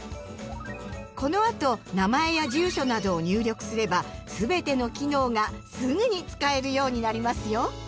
このあと名前や住所などを入力すればすべての機能がすぐに使えるようになりますよ。